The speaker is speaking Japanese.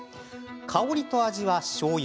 香りと味はしょうゆ。